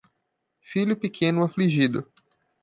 Filho pequeno afligido